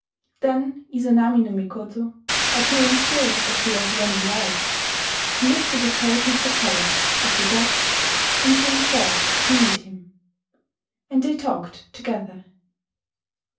Then Izanami no Mikoto, appearing still as she was when alive, lifted the curtain of the palace (of the dead), and came forth to meet him; and they talked together.